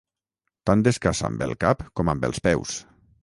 Tant es caça amb el cap com amb els peus.